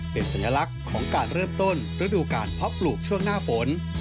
เป็นสัญลักษณ์ของการเริ่มต้นฤดูการเพาะปลูกช่วงหน้าฝน